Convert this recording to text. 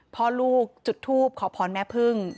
พ่อลูกจุดทูปขอพรแม่พึ่ง